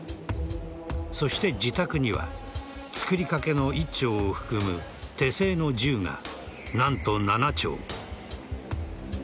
そして自宅には作りかけの１丁を含む手製の銃が何と７丁。